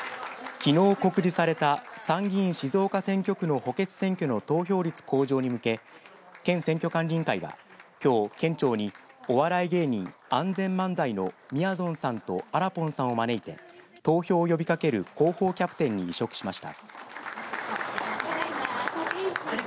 きのう告示された参議院静岡選挙区の補欠選挙の投票率向上に向け県選挙管理委員会は、きょう県庁にお笑い芸人ＡＮＺＥＮ漫才のみやぞんさんとあらぽんさんを招いて投票を呼びかける広報キャプテンに委嘱しました。